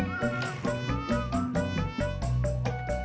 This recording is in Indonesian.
nyamber aja loh buruan tuh